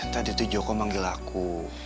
tadi tuh joko manggil aku